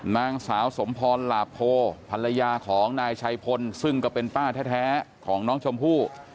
นางสาวสมพรหลาโพภรรยาของนายชัยพลซึ่งก็เป็นป้าแท้ของน้องชมพู่